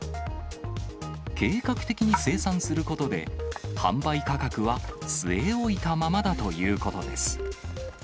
計画的に生産することで、販売価格は据え置いたままだということです。